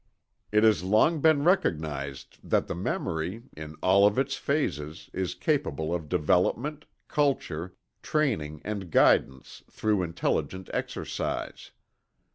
It has long been recognized that the memory, in all of its phases, is capable of development, culture, training and guidance through intelligent exercise.